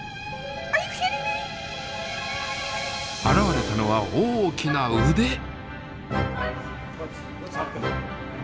現れたのは大きな腕。